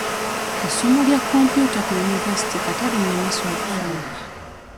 Essomo lya komputa ku yunivasite kata linnemese okusoma.